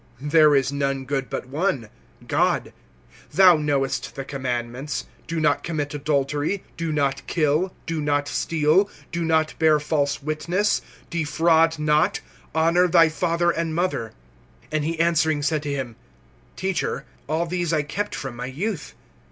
There is none good but one, God. (19)Thou knowest the commandments: Do not commit adultery, Do not kill, Do not steal, Do not bear false witness, Defraud not, Honor thy father and mother. (20)And he answering said to him: Teacher, all these I kept from my youth.